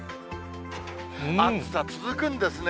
暑さ続くんですね。